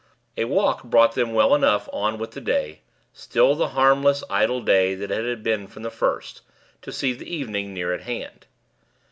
A walk brought them well enough on with the day still the harmless, idle day that it had been from the first to see the evening near at hand.